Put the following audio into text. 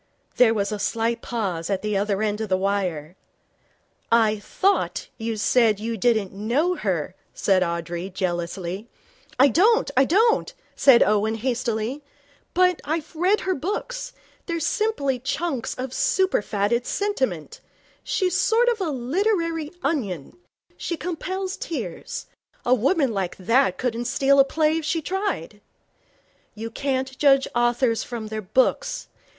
There was a slight pause at the other end of the wire. 'I thought you said you didn't know her,' said Audrey, jealously. 'I don't I don't,' said Owen, hastily. 'But I've read her books. They're simply chunks of superfatted sentiment. She's a sort of literary onion. She compels tears. A woman like that couldn't steal a play if she tried.' 'You can't judge authors from their books.